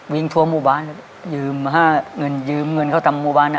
ทั่วหมู่บ้านยืมห้าเงินยืมเงินเขาตามหมู่บ้านนะ